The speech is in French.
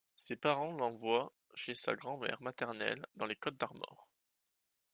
Ses parents l'envoient chez sa grand-mère maternelle dans les Côtes-d'Armor.